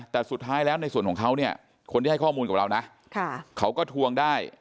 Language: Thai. แต่สุดท้ายแล้วในส่วนของเขาเนี่ยคนที่ให้ข้อมูลกับเรานะเขาก็ทวงได้